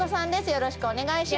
よろしくお願いします